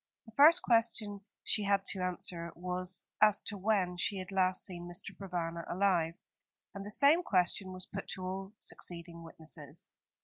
The first question she had to answer was as to when she had last seen Mr. Provana alive; and the same question was put to all succeeding witnesses.